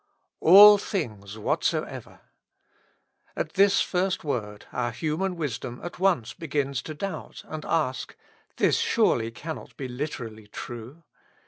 '^ All things whatsoever y At this first word our human wisdom at once begins to doubt and ask; This surely cannot be literally true?